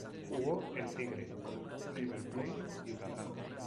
Jugó en Tigre, River Plate y Huracán.